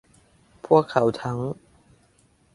พวกเขาทั้ง